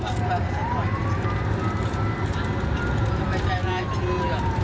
ทำไมใจร้ายขนาดนี้อ่ะเออ